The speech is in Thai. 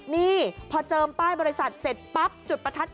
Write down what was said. นี่พอเจิมป้ายบริษัทเสร็จปั๊บ